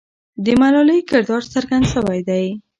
د ملالۍ کردار څرګند سوی دی.